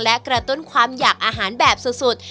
และกระตุ้นความอยากอาหารแบบสุด